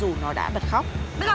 bây giờ con có về với mẹ không